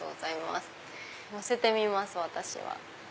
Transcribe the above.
のせてみます私は。